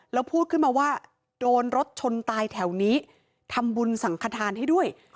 แล้วพูดขึ้นมาว่าโดนรถชนตายแถวนี้ทำบุญสังขทานให้ด้วย